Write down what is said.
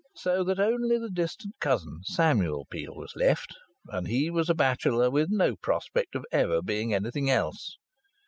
So that only the distant cousin, Samuel Peel, was left, and he was a bachelor with no prospect of ever being anything else.